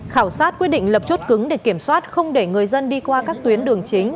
khảo sát quyết định lập chốt cứng để kiểm soát không để người dân đi qua các tuyến đường chính